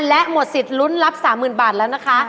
และหมดสิทธิ์ลุ้นรับ๓๐๐๐บาทแล้วนะคะ